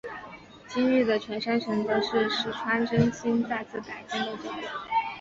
今日的犬山城则是石川贞清再次改建的结果。